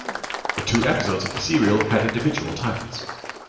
The two episodes of the serial had individual titles.